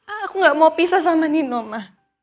aku nggak mau pisah sama nino ma